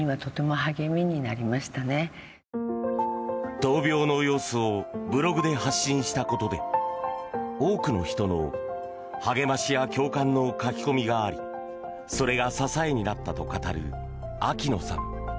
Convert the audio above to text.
闘病の様子をブログで発信したことで多くの人の励ましや共感の書き込みがありそれが支えになったと語る秋野さん。